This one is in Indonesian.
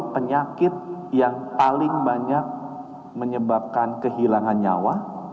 penyakit yang paling banyak menyebabkan kehilangan nyawa